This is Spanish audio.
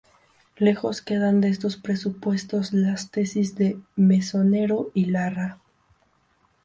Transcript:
Lejos quedan de estos presupuestos las tesis de Mesonero y Larra.